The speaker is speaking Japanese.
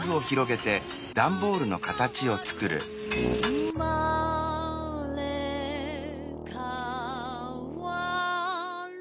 「うまれかわる」